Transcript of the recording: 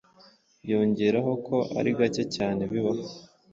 yongeraho ko ari gake cyane bibaho